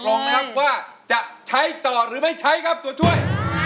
ตกลงว่าจะใช้ต่อหรือไม่ใช้ครับตัวช่วย